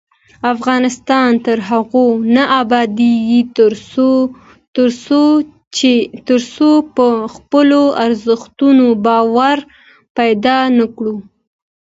افغانستان تر هغو نه ابادیږي، ترڅو په خپلو ارزښتونو باور پیدا نکړو.